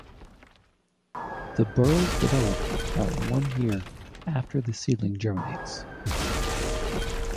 The burls develop about one year after the seedling germinates.